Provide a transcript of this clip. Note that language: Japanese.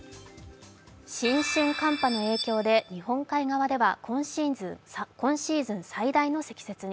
新春寒波の影響で日本海側では今シーズン最大の積雪に。